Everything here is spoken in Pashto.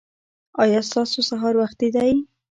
ایا ستاسو سهار وختي دی؟